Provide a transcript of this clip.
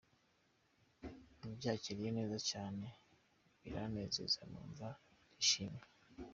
Nabyakiriye neza cyane, biranezeza numva ndishimye.